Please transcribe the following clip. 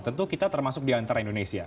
tentu kita termasuk di antara indonesia